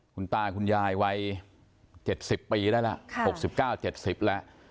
คุณตาคุณยายวัย๗๐ปีได้แล้ว๖๙๗๐แล้ว